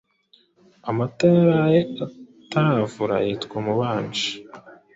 Amata yaraye ataravura yitwa Umubanji